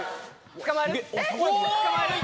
捕まえる？